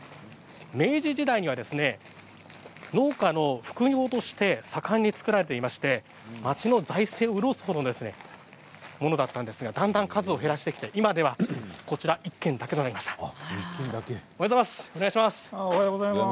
明治時代には農家の副業として盛んに作られていまして町の財政を潤すほどのものだったんですが数が減らしてきて今この１軒だけです。